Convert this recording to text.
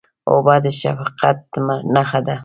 اوبه د شفقت نښه ده.